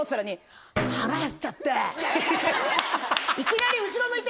いきなり後ろ向いて。